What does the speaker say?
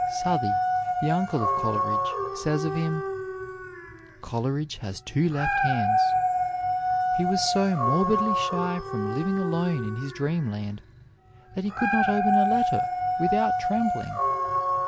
Southey, the uncle of Coleridge, says of him: "Coleridge has two left hands." He was so morbidly shy from living alone in his dreamland that he could not open a letter without trembling.